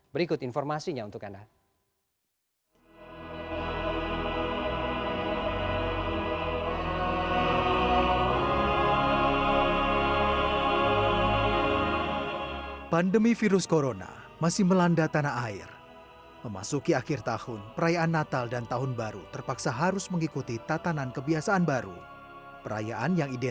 berikut informasinya untuk anda